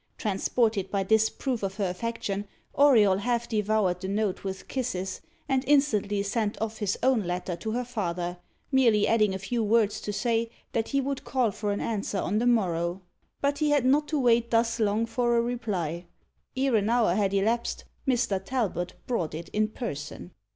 Transported by this proof of her affection, Auriol half devoured the note with kisses, and instantly sent off his own letter to her father merely adding a few words to say that he would call for an answer on the morrow. But he had not to wait thus long for a reply. Ere an hour had elapsed, Mr. Talbot brought it in person.